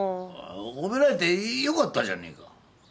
褒められてよかったじゃねえか。